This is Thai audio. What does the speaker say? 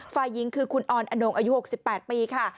ฝ่ายหญิงคือคุณออนอนงอายุ๖๘ปีค่ะ